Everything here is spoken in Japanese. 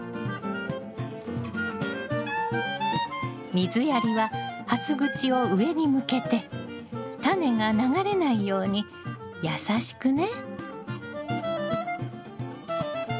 水やりははす口を上に向けてタネが流れないように優しくね。